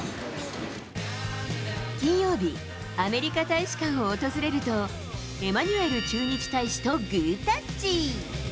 金曜日、アメリカ大使館を訪れると、エマニュエル駐日大使とグータッチ。